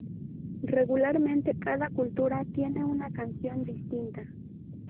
Regularmente cada cultura tiene una canción distinta.